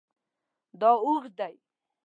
دا اوږد دی